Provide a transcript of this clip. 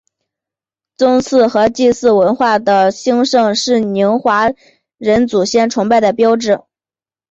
宗祠和祭祀文化的兴盛是宁化人祖先崇拜的标志。